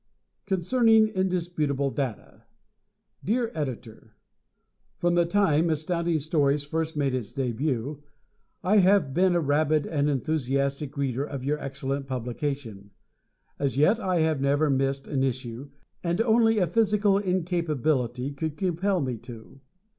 Concerning "Indisputable Data" Dear Editor: From the time Astounding Stories first made its debut, I have been a rabid and enthusiastic reader of your excellent publication. As yet, I have never missed an issue, and only a physical incapability could compel me to.